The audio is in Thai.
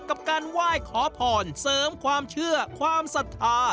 กับการไหว้ขอพรเสริมความเชื่อความศรัทธา